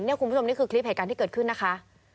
คุณผู้ชมนี่คือคลิปเหตุการณ์ที่เกิดขึ้นนะคะ